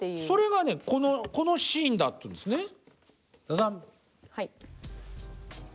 それがねこのシーンだっていうんですね。